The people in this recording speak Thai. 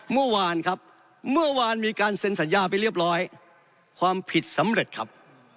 เมื่อวานครับเมื่อวานมีการเซ็นสัญญาไปเรียบร้อยความผิดสำเร็จครับ